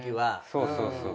そうそうそう。